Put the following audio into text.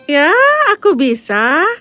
ya aku bisa